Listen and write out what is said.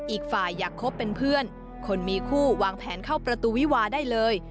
อีกฝ่ายอยากคบเป็นเพื่อนคนมีคู่วางแผนเข้าประตูวิวาได้เลย